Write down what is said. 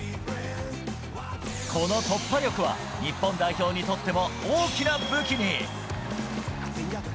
この突破力は、日本代表にとっても大きな武器に。